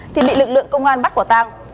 thì bị lực lượng công an bắt quả tàng